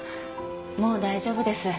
もう大丈夫です。